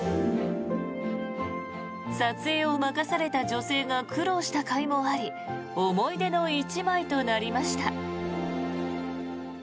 撮影を任された女性が苦労したかいもあり思い出の１枚となりました。